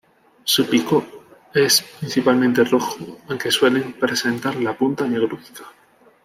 Su pico es principalmente rojo aunque suelen presentar la punta negruzca.